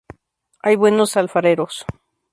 Hay buenos alfareros.